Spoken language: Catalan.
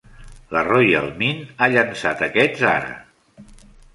La "Royal Mint" ha llançat aquests ara.